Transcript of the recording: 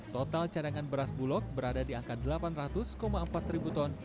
total cadangan beras bulog berada di angka delapan ratus empat ribu ton